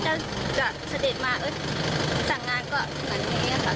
แล้วเขาแบบเบียนใบ้มาเหมือนแบบโรคทศิษย์เนาะโรคทศิษย์ในมิตรภาค